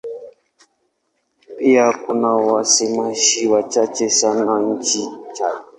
Pia kuna wasemaji wachache sana nchini Chad.